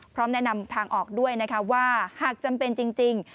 พร้อมแนะนำทางออกด้วยนะคะว่าหากจำเป็นจริง